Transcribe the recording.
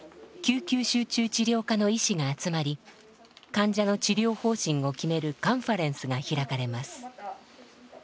集中治療科の医師が集まり患者の治療方針を決めるカンファレンスが開かれます。